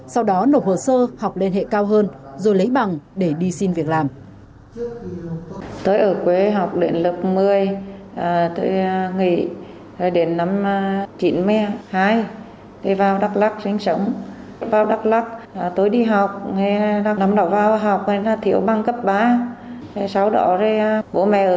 sau đó nộp hồ sơ học lên hệ cao hơn rồi lấy bằng để đi xin việc làm